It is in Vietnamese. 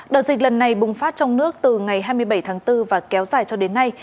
đợt dịch lần này bùng phát trong nước từ ngày hai mươi bảy tháng bốn và kéo dài cho đến nay